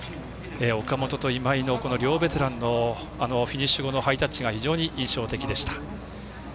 岡本と今井の両ベテランのフィニッシュ後のハイタッチが非常に印象的でした。